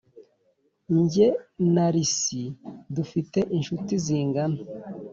njye na lucy dufite inshuti zingana.